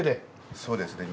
そうですね。